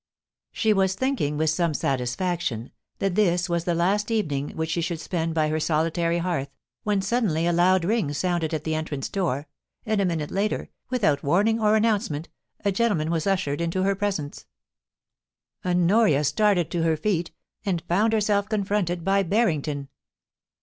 She was thinking, with some satisfaction, that this was the last evening which she should spend by her solitary hearth, when suddenly a loud ring sounded at the entrance door, and a minute later, without warning or announcement, a gentleman was ushered into her presence. THE KNOTTING OF THE THREADS. 431 Honori:i started to her feet, and found herself confronted by Barrington.